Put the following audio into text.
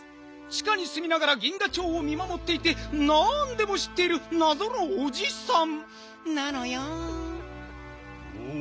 ちかにすみながら銀河町を見まもっていてなんでもしっているなぞのおじさんなのよん。